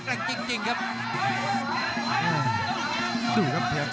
รับทราบบรรดาศักดิ์